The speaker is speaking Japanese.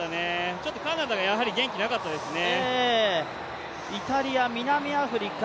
ちょっとカナダが元気なかったですね。